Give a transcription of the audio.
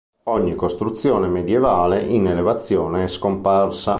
Ogni costruzione medievale in elevazione è scomparsa.